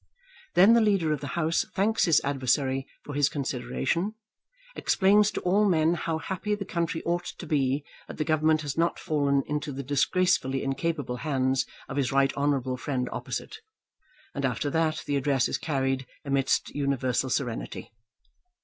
Then the leader of the House thanks his adversary for his consideration, explains to all men how happy the country ought to be that the Government has not fallen into the disgracefully incapable hands of his right honourable friend opposite; and after that the Address is carried amidst universal serenity.